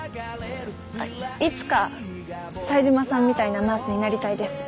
いつか冴島さんみたいなナースになりたいです。